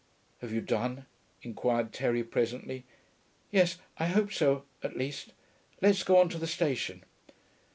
'Have you done?' inquired Terry presently. 'Yes. I hope so, at least. Let's go on to the station.'